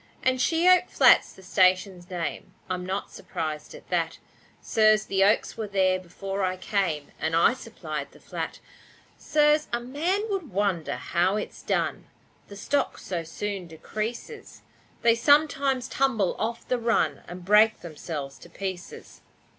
And She oak Flat's the station's name, I'm not surprised at that, sirs: The oaks were there before I came, And I supplied the flat, sirs. A man would wonder how it's done, The stock so soon decreases They sometimes tumble off the run And break themselves to pieces.